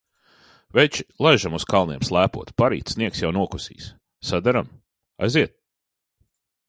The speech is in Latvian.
Veči, laižam uz kalniem slēpot, parīt sniegs jau nokusīs! Saderam? Aiziet!